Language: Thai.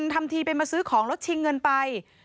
ถ้าขายได้